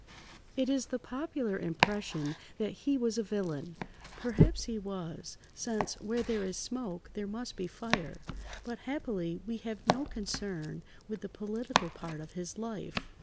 It is the popular impression that he was a villain. Perhaps he was, since "where there is smoke, there must be fire," but happily we have no concern with the political part of his life.